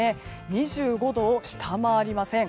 ２５度を下回りません。